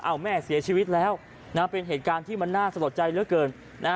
เอาแม่เสียชีวิตแล้วเป็นเหตุการณ์ที่มันน่าสะลดใจเหลือเกิน